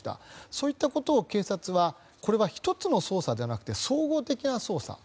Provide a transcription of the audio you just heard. そういったことを警察はこれは１つの捜査ではなくて総合的な捜査。